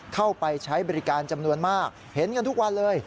เข้าไปใช้บริการจำนวนมากเห็นกันทุกวันเลย